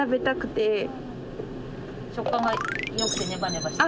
食感が良くてネバネバしてる。